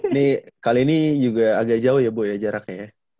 ini kali ini juga agak jauh ya bu ya jaraknya ya